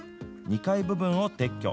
２階部分を撤去。